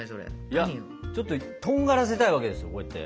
いやちょっととんがらせたいわけですよこうやって。